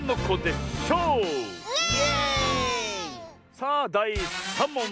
さあだい３もん！